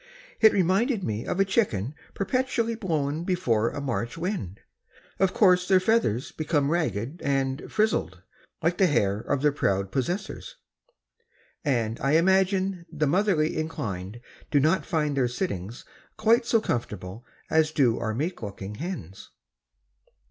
It reminded me of a chicken perpetually blown before a March wind. Of course, their feathers become ragged and "frizzled," like the hair of their proud possessors, and I imagine the motherly inclined do not find their sittings quite so comfortable as do our meek looking hens.